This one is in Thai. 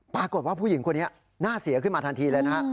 ปรากฏว่าผู้หญิงคนนี้น่าเสียขึ้นมาทันทีเลยนะฮะ